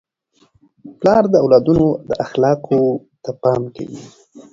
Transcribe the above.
پلار د اولادونو اخلاقو ته پام کوي.